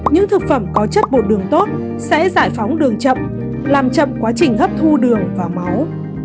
những thực phẩm có chất bột đường tốt sẽ giải phóng đường chậm làm chậm quá trình hấp thu đường và máu